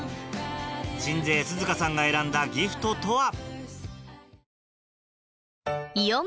鎮西寿々歌さんが選んだギフトとは？